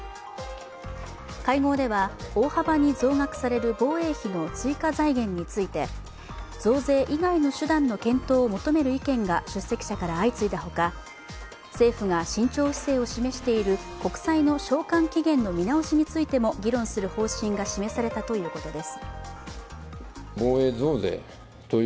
会合では大幅に増額される防衛費の追加財源について増税以外の手段の検討を求める意見が出席者から相次いだほか政府が慎重姿勢を示している国債の償還期限の見直しについても議論する方針が示されたということです。